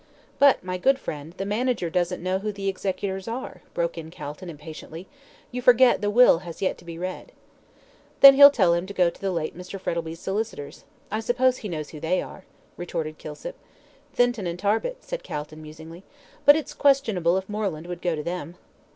"But, my good friend, the manager doesn't know who the executors are," broke in Calton, impatiently. "You forget the will has yet to be read." "Then he'll tell him to go to the late Mr. Frettlby's solicitors. I suppose he knows who they are," retorted Kilsip. "Thinton and Tarbit," said Calton, musingly; "but it's questionable if Moreland would go to them."